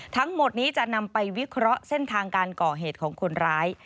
ทั้งหมดนี้จะนำไปวิเคราะห์เส้นทางการก่อเหตุของคนร้าย